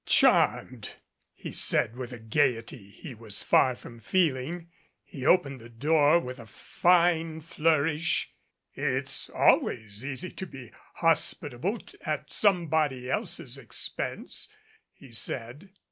"Charmed!" he said with a gaiety he was far from feeling, and opened the door with a fine flourish. "It's always easy to be hospitable at somebody else's expense," he said.